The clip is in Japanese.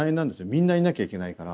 みんないなきゃいけないから。